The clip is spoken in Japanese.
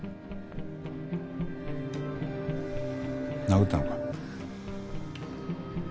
殴ったのか？